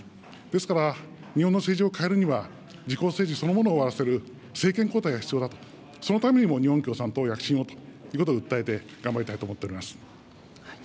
ですから、日本の政治を変えるには、自公政治そのものを終わらせる政権交代が必要だと、そのためにも、日本共産党躍進をということを訴えて、頑張りたいと思っております。